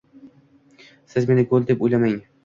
Siz meni go`l deb o`ylamang